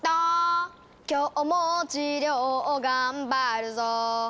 「今日も治療を頑張るぞ」